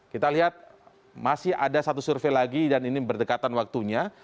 kita lihat masih ada satu survei lagi dan ini berdekatan waktunya